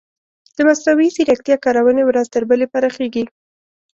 د مصنوعي ځیرکتیا کارونې ورځ تر بلې پراخیږي.